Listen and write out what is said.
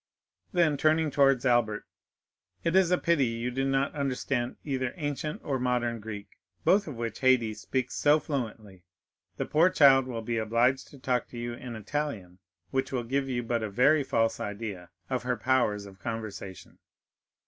Then, turning towards Albert,—"It is a pity you do not understand either ancient or modern Greek, both of which Haydée speaks so fluently; the poor child will be obliged to talk to you in Italian, which will give you but a very false idea of her powers of conversation."